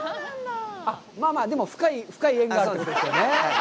まあまあ、でも、深い縁があるということですよね。